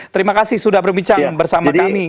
terima kasih sudah berbincang bersama kami